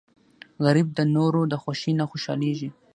غریب د نورو د خوښۍ نه خوشحالېږي